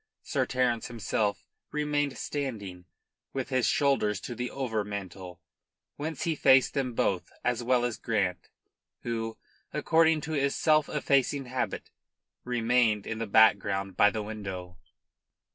Sir Terence himself remained standing with his shoulders to the overmantel, whence he faced them both as well as Grant, who, according to his self effacing habit, remained in the background by the window.